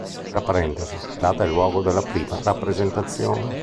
Tra parentesi, data e luogo della prima rappresentazione.